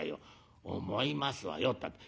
「思いますわよったって